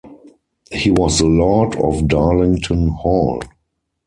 He was the lord of Darlington Hall.